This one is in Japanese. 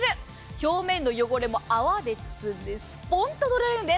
表面の汚れも泡で包んでスポンと取れるんです。